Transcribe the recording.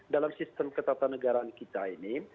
dalam sistem ketatanegaraan kita ini